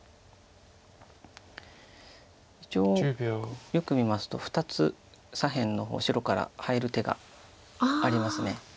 一応よく見ますと２つ左辺の方白から入る手があります。